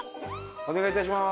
お願いいたします。